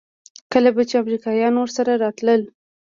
کله به چې امريکايان ورسره راتلل.